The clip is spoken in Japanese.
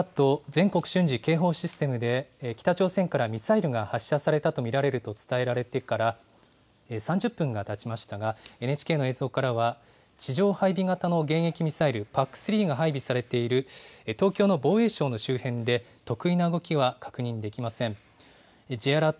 ・全国瞬時警報システムで、北朝鮮からミサイルが発射されたと見られると伝えられてから３０分がたちましたが、ＮＨＫの映像からは、地上配備型の迎撃ミサイル、ＰＡＣ３が配備されている東京の防衛省の周辺で、特異な動きは確認できません。